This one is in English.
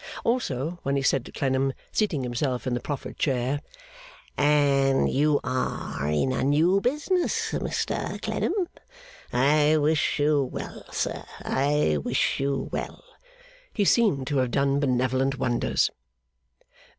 Also, when he said to Clennam, seating himself in the proffered chair, 'And you are in a new business, Mr Clennam? I wish you well, sir, I wish you well!' he seemed to have done benevolent wonders.